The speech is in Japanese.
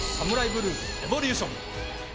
ブルーエボリューション。